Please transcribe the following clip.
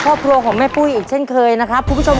ทั้งป้านอนป้าหมายเรียกกันเร็วสมก็เป็นหนึ่งอาชีพจริง